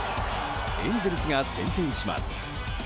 エンゼルスが先制します。